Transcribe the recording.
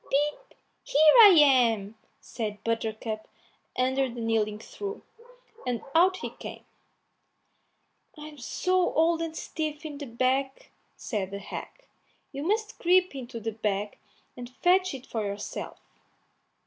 "Pip, pip! here I am," said Buttercup under the kneading trough, and out he came. "I'm so old and stiff in the back," said the hag, "you must creep into the bag and fetch it out for yourself."